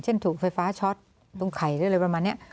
ถูกไฟฟ้าช็อตตรงไข่หรืออะไรประมาณนี้